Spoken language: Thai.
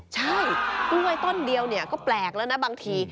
ใช่กล้วยต้นเดียวเนี่ยก็แปลกแล้วนะบางที